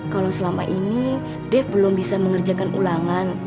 kalau selama ini dev belum bisa mengerjakan ulangan